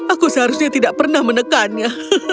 aku seharusnya tidak pernah menekannya